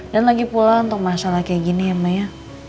dan lagi pula untuk masalah kayak gini ya maya